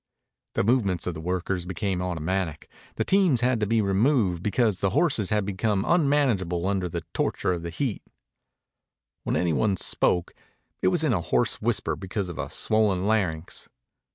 The movements of the workers became automatic. The teams had to be removed because the horses had become unmanageable under the torture of the heat. When any one spoke it was in a hoarse whisper because of a swollen larynx.